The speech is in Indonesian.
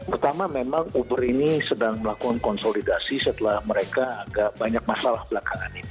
pertama memang uber ini sedang melakukan konsolidasi setelah mereka agak banyak masalah belakangan ini